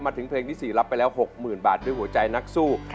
มาถึงเพลงที่สี่รับไปแล้วหกหมื่นบาทด้วยหัวใจนักสู้